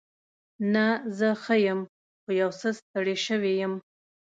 نه، زه ښه یم. خو یو څه ستړې شوې یم.